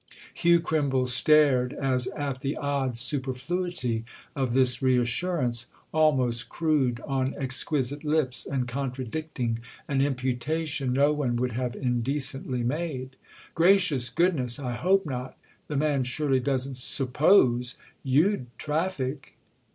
Hugh Crimble stared as at the odd superfluity of this reassurance, almost crude on exquisite lips and contradicting an imputation no one would have indecently made. "Gracious goodness, I hope not! The man surely doesn't suppose you'd traffic."